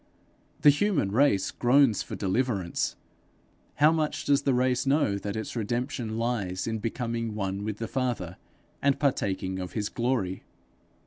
The human race groans for deliverance: how much does the race know that its redemption lies in becoming one with the Father, and partaking of his glory?